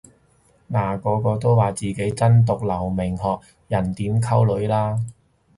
嗱個個都話自己真毒留名學人點溝女啦